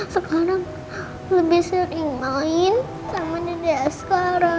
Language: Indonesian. sekarang lebih sering main sama dede asikara